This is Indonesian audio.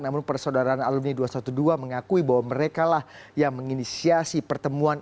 namun persaudaraan alumni dua ratus dua belas mengakui bahwa mereka lah yang menginisiasi pertemuan